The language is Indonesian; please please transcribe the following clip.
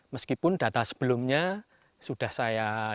meskipun data sebelumnya sudah saya